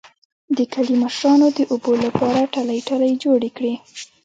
د کلي مشرانو د اوبو لپاره ټلۍ ټلۍ جوړې کړې